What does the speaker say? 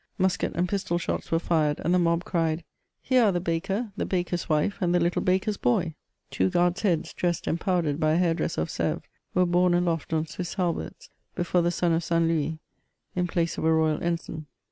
Musket and pistol* shots were fired, and the mob cried :'^ Here are the baker, the bakers wifey and the little baker*8 boy r Two guards' heads dressed and powdered by a hairdresser of Sevres, were borne aloft on Swiss halberts before the son of St. Louis, in place of a royal ensign.